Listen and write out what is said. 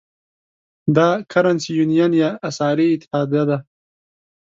دا Currency Union یا اسعاري اتحادیه ده.